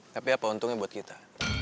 tapi apa untungnya buat kita